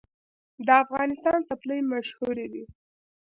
د افغانستان څپلۍ مشهورې دي